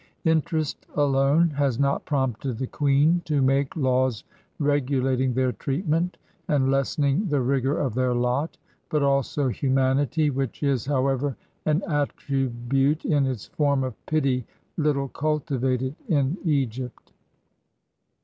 Interest alone has not prompted the queen to make laws regulating their treatment, and lessening the rigor of their lot; but also humanity, which is, how ever, an attribute, in its form of pity, little cultivated in Egypt.